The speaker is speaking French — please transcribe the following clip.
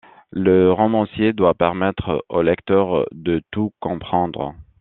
Le romancier doit permettre au lecteur de tout comprendre.